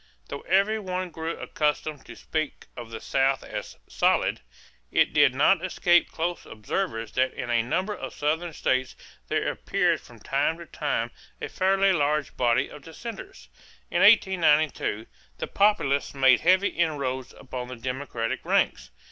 = Though every one grew accustomed to speak of the South as "solid," it did not escape close observers that in a number of Southern states there appeared from time to time a fairly large body of dissenters. In 1892 the Populists made heavy inroads upon the Democratic ranks.